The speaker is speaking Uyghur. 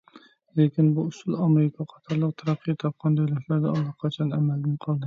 لېكىن، بۇ ئۇسۇل ئامېرىكا قاتارلىق تەرەققىي تاپقان دۆلەتلەردە ئاللىقاچان ئەمەلدىن قالدى.